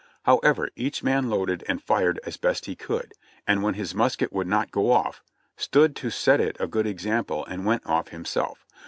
However, each man loaded and fired as best he could, and when his musket would not go off, stood to set it a good example and went off himself.